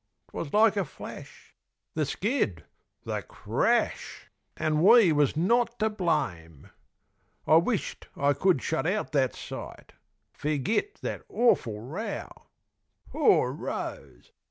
'Twas like a flash, the skid the crash. An' we was not to blame. I wisht I could shut out that sight; fergit that awful row! Poor Rose!